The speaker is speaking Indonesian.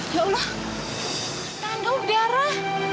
ya allah tangan kamu berdarah